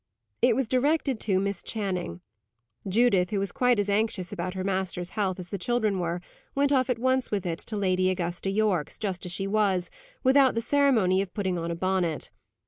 It was directed to Miss Channing. Judith, who was quite as anxious about her master's health as the children were, went off at once with it to Lady Augusta Yorke's, just as she was, without the ceremony of putting on a bonnet.